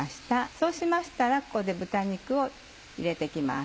そうしましたらここで豚肉を入れて行きます。